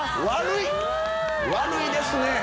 悪いですね！